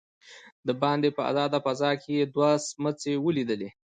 دباندې په آزاده فضا کې يې دوه سمڅې وليدلې.